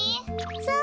そう。